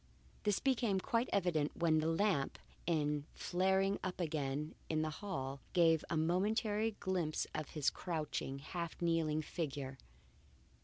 This became quite evident when the lamp, in flaring up again in the hall, gave a momentary glimpse, of his crouching, half kneeling figure.